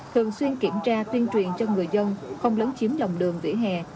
thường xuyên kiểm tra tuyên truyền cho người dân không lấn chiếm lòng đường vỉa hè